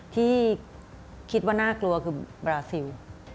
ที่คิดว่าน่ากลัวคือบราซิล